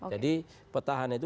jadi petahana itu